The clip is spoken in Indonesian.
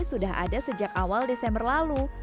sudah ada sejak awal desember lalu